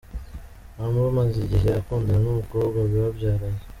Humble amaze igihe akundana n'umukobwa babyaranye.